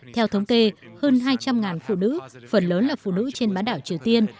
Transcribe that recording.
theo thống kê hơn hai trăm linh phụ nữ phần lớn là phụ nữ trên bán đảo triều tiên